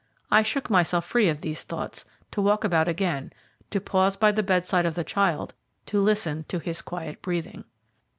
I shook myself free of these thoughts, to walk about again, to pause by the bedside of the child, to listen to his quiet breathing.